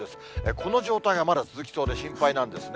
この状態がまだ続きそうで心配なんですね。